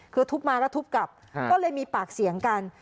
คือทุบมาแล้วทุบกลับก็เลยมีปากเสียงกัน